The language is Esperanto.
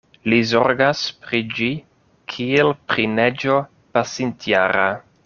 Li zorgas pri ĝi kiel pri neĝo pasintjara.